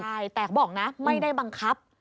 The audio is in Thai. ใช่แต่เขาบอกนะไม่ได้บังคับ